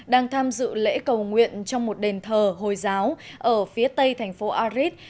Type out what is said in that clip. đang tham dự lễ cầu nguyện trong một đền thờ hồi giáo ở phía tây thành phố arid